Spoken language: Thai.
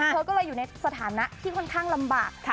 เธอก็เลยอยู่ในสถานะที่ค่อนข้างลำบาก